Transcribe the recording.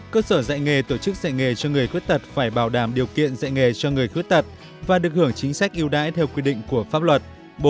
một cơ sở dạy nghề tổ chức dạy nghề cho người khuyết tật phải bảo đảm điều kiện dạy nghề cho người khuyết tật và được hưởng chính sách yêu đãi theo quy định của pháp luật